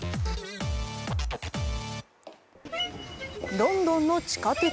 ロンドンの地下鉄。